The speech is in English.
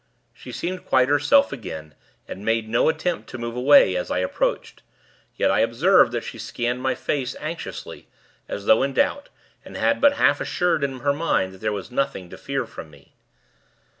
She seemed quite herself again, and made no attempt to move away, as I approached; yet, I observed that she scanned my face, anxiously, as though in doubt, and but half assured in her mind that there was nothing to fear from me.